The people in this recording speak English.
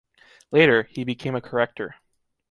Later, he became a corrector.